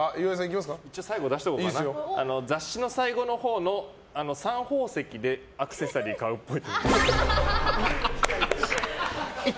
雑誌の最後のほうのサン宝石でアクセサリー買うっぽい。